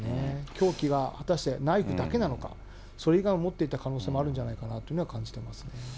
凶器が果たしてナイフだけなのか、それ以外を持っていた可能性もあるんじゃないかなというのは感じ